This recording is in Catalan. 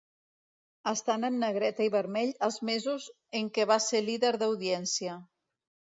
Estan en negreta i vermell els mesos en què va ser líder d'audiència.